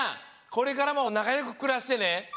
これからもなかよくくらしてね。